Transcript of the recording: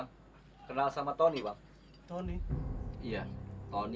kalau kamu sudah tulis atau ber continuum tersebut mereka mendatangkan dirimu ituastically ada tanda